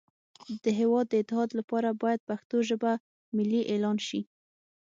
د هیواد د اتحاد لپاره باید پښتو ژبه ملی اعلان شی